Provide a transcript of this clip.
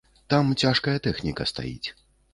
Там цяжкая тэхніка стаіць.